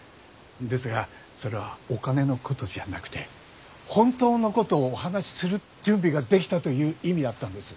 ですがそれはお金のことじゃなくて本当のことをお話しする準備ができたという意味だったんです。